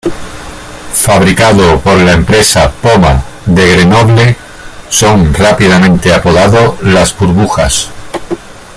Fabricado por la empresa "Poma" de Grenoble, son rápidamente apodado las burbujas.